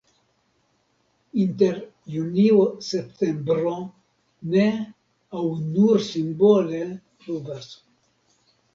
Inter junio-septembro ne aŭ nur simbole pluvas.